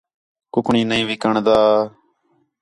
کُکڑیں نہیں وکݨدا